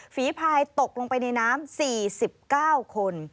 ฝีพายตกลงไปในน้ำ๔๙คน